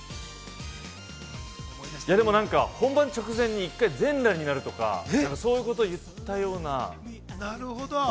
本番直前に１回全裸になるとか、そういうことを言ったような。